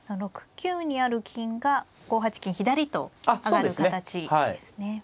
６九にある金が５八金左と上がる形ですね。